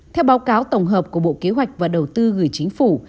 theo báo cáo tổng hợp của bộ kế hoạch và đầu tư gửi chính phủ